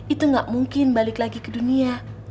itu gak mungkin balik lagi ke dunia